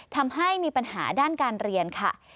ทำให้มีปัญหาด้านการเรียนค่ะ